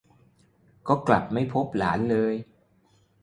ก็กลับไม่พบหลานเลย